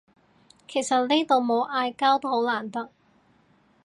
其實呢度冇嗌交都好難得